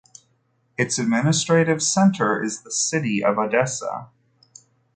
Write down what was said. Its administrative center is the city of Odessa.